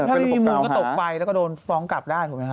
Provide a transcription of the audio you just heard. ถ้าไม่มีมูลก็ตกไปแล้วก็โดนฟ้องกลับได้ถูกไหมฮ